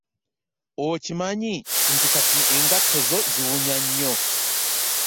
Okimanyi nti kati engatto zo ziwunya nnyo.